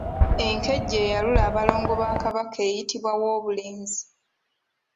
Enkejje eyalula abalongo ba Kabaka eyitibwa Woobulenzi.